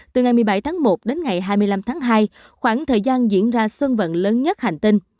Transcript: từ ngày một mươi bảy tháng một đến ngày hai mươi năm tháng hai khoảng thời gian diễn ra sân vận lớn nhất hành tinh